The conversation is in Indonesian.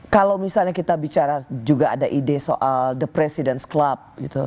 kalau misalnya kita bicara juga ada ide soal the president club